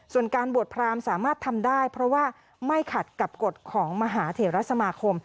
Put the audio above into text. ส่วนการบวชพรามสามารถทำได้เพราะว่าไม่ขัดกับกฎของมหาเถระสมาคม